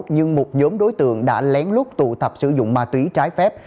nhưng một nhóm đối tượng đã lén lút tụ tập sử dụng ma túy trái phép